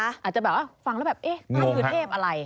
อาจจะฟังแล้วแบบท่านคือเทพอะไร